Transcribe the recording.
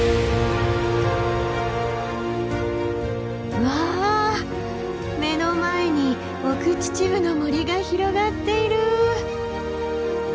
うわ目の前に奥秩父の森が広がっている！